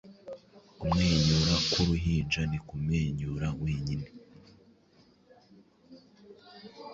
Kumwenyura kw'uruhinja ni kumwenyura wenyine